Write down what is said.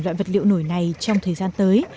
loại vật liệu nổi này trong thời gian tới